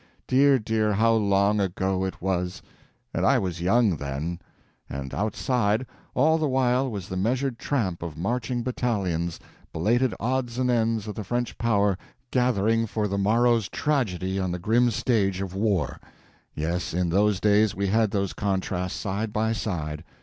Dear, dear, how long ago it was!—and I was young then. And outside, all the while, was the measured tramp of marching battalions, belated odds and ends of the French power gathering for the morrow's tragedy on the grim stage of war. Yes, in those days we had those contrasts side by side.